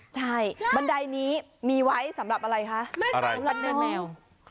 ใช่บันไดนี้มีไว้สำหรับอะไรคะวัดเนินแมว